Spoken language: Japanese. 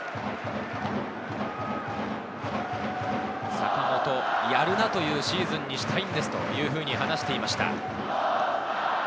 坂本、やるなというシーズンにしたいんですと話していました。